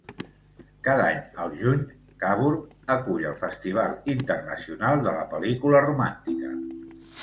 Cada any, al juny, Cabourg acull el "Festival Internacional de la Pel·lícula Romàntica".